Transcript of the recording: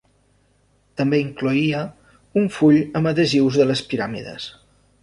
També incloïa un full amb adhesius de les piràmides.